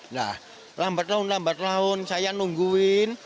nah lambat laun lambat laun saya nungguin